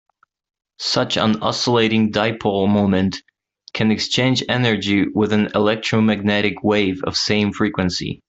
Such an oscillating dipole moment can exchange energy with an electromagnetic wave of same frequency.